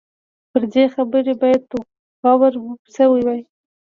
پر دې خبرې باید غور شوی وای.